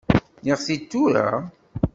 Nniɣ-t-id tura?